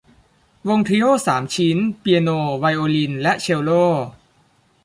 วงทรีโอสามชิ้น เปียโน ไวโอลิน และเชลโล